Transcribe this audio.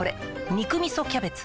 「肉みそキャベツ」